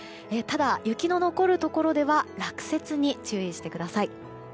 ただ、雪の残るところでは落雪に注意してください。